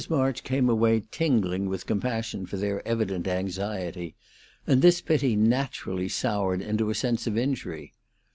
March came away tingling with compassion for their evident anxiety, and this pity naturally soured into a sense of injury.